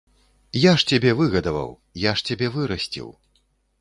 Я ж цябе выгадаваў, я ж цябе вырасціў.